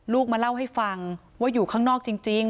มาเล่าให้ฟังว่าอยู่ข้างนอกจริง